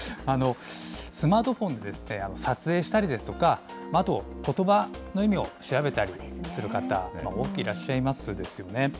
スマートフォンで撮影したりですとか、あと、ことばの意味を調べたりする方、多くいらっしゃいますですよね。